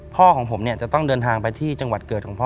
ของผมเนี่ยจะต้องเดินทางไปที่จังหวัดเกิดของพ่อ